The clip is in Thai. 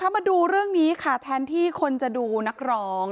มาดูเรื่องนี้ค่ะแทนที่คนจะดูนักร้อง